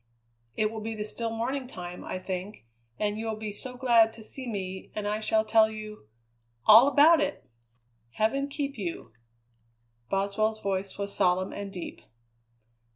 It will be the still morning time, I think, and you will be so glad to see me, and I shall tell you all about it!" "Heaven keep you!" Boswell's voice was solemn and deep.